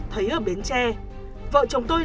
thấy ở bến tre vợ chồng tôi